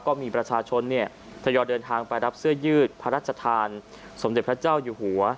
ก็มีประชาชนทยอยเดินทางไปรับเสื้อยืดพระราชทานสมเด็จพระเจ้าอยู่หัว